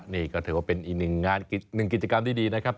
นี่ก็ถือว่าเป็นอีกหนึ่งกิจกรรมที่ดีนะครับ